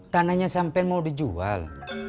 tanahnya sampai mau dijual